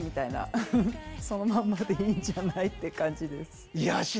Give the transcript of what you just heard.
そのまんまでいいんじゃない？って感じです。